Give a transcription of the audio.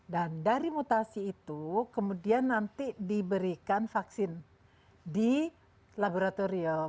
dan dari mutasi itu kemudian nanti diberikan vaksin di laboratorium